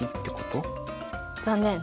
残念！